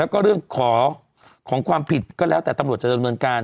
ก็เรื่องของความผิดก็แล้วแต่ตำรวจเจริญเมืองการ